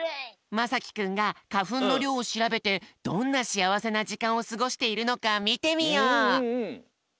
まさきくんがかふんのりょうをしらべてどんなしあわせなじかんをすごしているのかみてみよう！